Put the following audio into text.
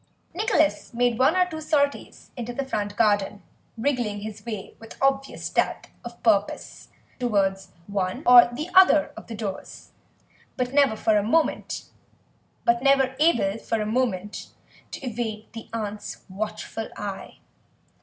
Nicholas made one or two sorties into the front garden, wriggling his way with obvious stealth of purpose towards one or other of the doors, but never able for a moment to evade the aunt's watchful eye.